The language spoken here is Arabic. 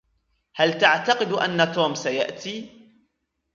هل تعتقد أن توم سيأتي ؟